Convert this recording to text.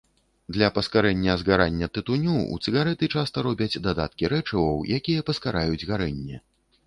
Для паскарэння згарання тытуню ў цыгарэты часта робяць дадаткі рэчываў, якія паскараюць гарэнне.